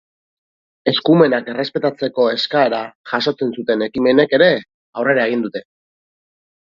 Eskumenak errespetatzeko eskaera jasotzen zuten ekimenek ere aurrera egin dute.